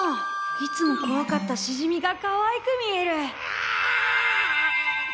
いつもこわかったしじみがかわいく見える。